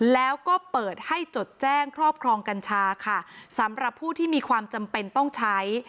แล้วก็เปิดให้จดแจ้งครอบครองกัญชาค่ะสำหรับผู้ที่มีความจำเป็นต้องใช้